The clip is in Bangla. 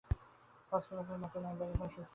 ফস্ফোরেসেন্সের মত নয়, বাইরের কোন শক্তির সাহায্য